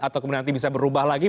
atau kemudian nanti bisa berubah lagi